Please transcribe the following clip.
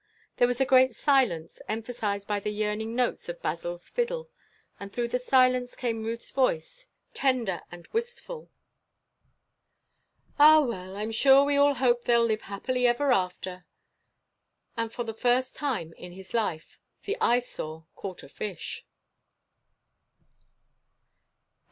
There was a great silence, emphasized by the yearning notes of Basil's fiddle. And through the silence came Ruth's voice, tender and wistful:— "Ah, well!—I'm sure we all hope they'll live happily ever after!"— And, for the first time in his life, the Eyesore caught a fish.